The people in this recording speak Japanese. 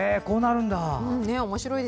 こうなるんだ。